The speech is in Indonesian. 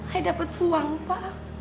ai dapet uang pak